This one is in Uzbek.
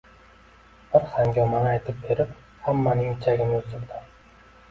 Bir hangomani aytib berib, hammaning ichagini uzdirdi